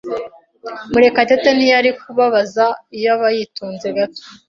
Murekatete ntiyari kubabaza iyo aba yitonze gato.